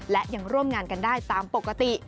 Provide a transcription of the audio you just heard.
และยังร่วมงานกันได้ตามปกติ